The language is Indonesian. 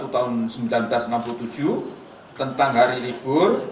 tahun seribu sembilan ratus enam puluh tujuh tentang hari libur